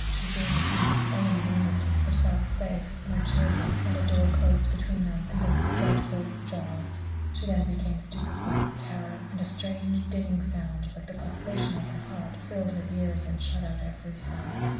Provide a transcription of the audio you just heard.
She seemed to see, all in a moment, herself safe, and her children not a door closed between them and those dreadful jaws! She then became stupefied with terror, and a strange, dinning sound, like the pulsation of her heart, filled her ears and shut out every sense.